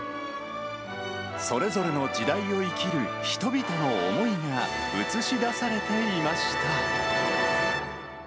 それぞれの時代を生きる人々の思いが映し出されていました。